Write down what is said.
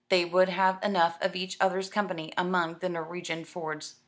They would have enough of each other's company among the Norwegian fjords.